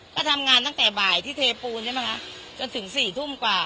ก็ทำงานตั้งแต่บ่ายที่เทปูนใช่ไหมคะจนถึง๔ทุ่มกว่า